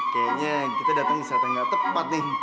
kita datang di saat yang gak tepat nih